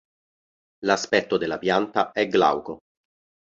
L'aspetto della pianta è glauco.